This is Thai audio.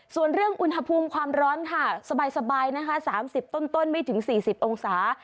ส่วนเรื่องอุณหภูมิความร้อนค่ะสบายนะคะ๓๐ต้นไม่ถึง๔๐องศา